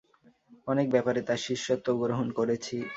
অনেক ব্যাপারে তার শিষ্যত্বও গ্রহণ করেছি।